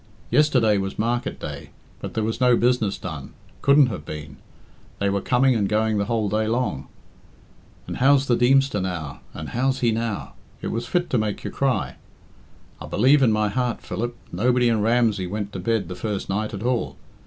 Yesterday was market day, but there was no business done. Couldn't have been; they were coming and going the whole day long. 'And how's the Deemster now?' 'And how's he now?' It was fit to make you cry. I believe in my heart, Philip, nobody in Ramsey went to bed the first night at all.